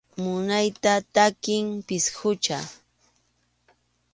Munaycha takiq pisqucha.